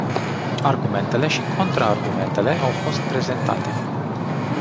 Argumentele și contraargumentele au fost prezentate.